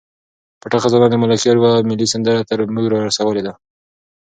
پټه خزانه د ملکیار یوه ملي سندره تر موږ را رسولې ده.